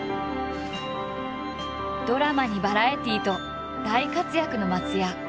ドラマにバラエティーと大活躍の松也。